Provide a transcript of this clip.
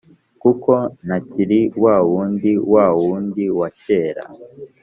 kuko ntakiri wawundi wa wundi wa kera,